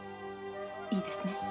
いいですね。